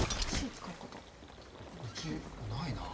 うちないなあ。